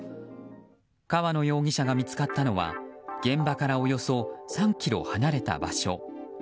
川野容疑者が見つかったのは現場からおよそ３ｋｍ離れた場所。